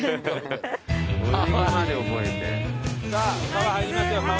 さあ川入りますよ川。